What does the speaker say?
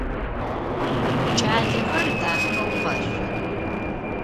Кӏалэхэр дахэу къэшъох.